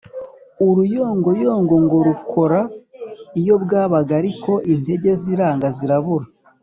» uruyongoyongo ngo rukora iyo bwabaga ariko intege ziranga zirabura